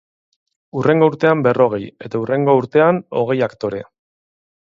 Hurrengo urtean berrogei, eta hurrengo urtean hogei aktore.